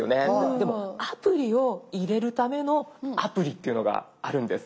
でもアプリを入れるためのアプリっていうのがあるんです。